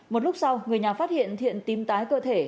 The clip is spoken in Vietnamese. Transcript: một lúc sau người nhà phát hiện thiện tìm tái cơ thể